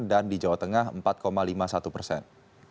dan di jawa tengah pengangguran sebanyak empat lima puluh satu persen